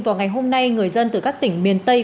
vào ngày hôm nay người dân từ các tỉnh miền tây